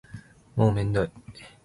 もうめんどい